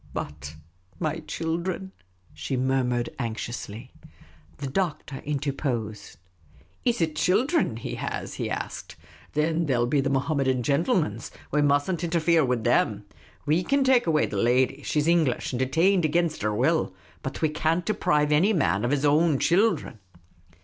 " But my children ?" she murmured anxiously. The Doctor interposed. "Is it childern she has?" he asked. " Thin they U be the Mohammedan gintleman's. We must n't interfere wid them. We can take away the lady — she 's English, and detained against her will ; but we can't deprive any man of his own childern."